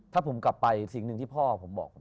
ถ้าผมกลับไปสิ่งหนึ่งที่พ่อผมบอก